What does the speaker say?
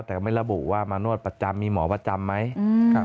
แต่ก็ไม่ระบุว่ามานวดประจำมีหมอประจำไหม